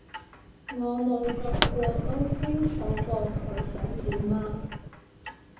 我冇中過都清楚過佢想點啊